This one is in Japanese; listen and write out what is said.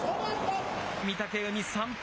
御嶽海、３敗。